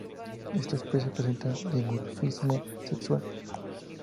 Esta especie presenta dimorfismo sexual.